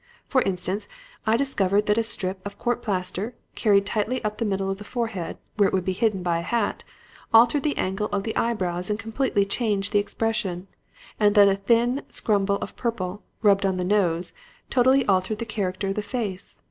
For instance, I discovered that a strip of court plaster, carried tightly up the middle of the forehead where it would be hidden by a hat altered the angle of the eyebrows and completely changed the expression, and that a thin scumble of purple, rubbed on the nose, totally altered the character of the face.